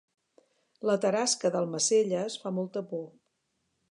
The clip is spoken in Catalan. La tarasca d'Almacelles fa molta por